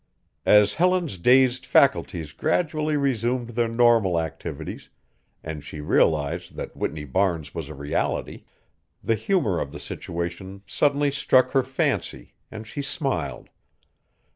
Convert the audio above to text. As Helen's dazed faculties gradually resumed their normal activities and she realized that Whitney Barnes was a reality, the humor of the situation suddenly struck her fancy and she smiled.